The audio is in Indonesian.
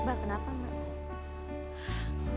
mbak kenapa mbak